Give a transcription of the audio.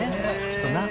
きっとな。